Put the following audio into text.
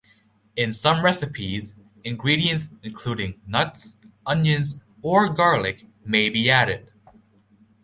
In some recipes, ingredients including nuts, onions, or garlic may be added.